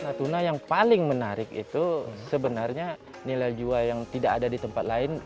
natuna yang paling menarik itu sebenarnya nilai jual yang tidak ada di tempat lain